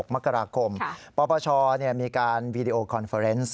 มกราคมปปชมีการวีดีโอคอนเฟอร์เนส